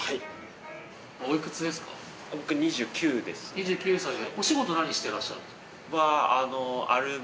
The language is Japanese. ２９歳で。